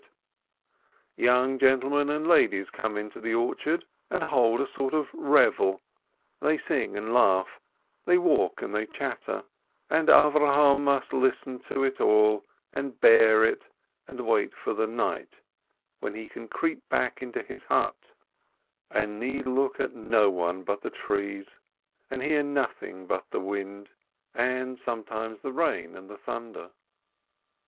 tf Young gentlemen and young ladies come into the orchard, and hold a sort of revel; they sing and laugh, they walk and they chatter, and Avrohom must listen to it all, and bear it, and wait for the night, when he can creep back into his hut, and need look at no one but the trees, and hear nothing but the wind, and sometimes the rain and the thunder.